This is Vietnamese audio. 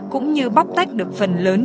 cũng như bóc tách được phần lớn